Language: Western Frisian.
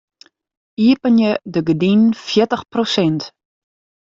Iepenje de gerdinen fjirtich prosint.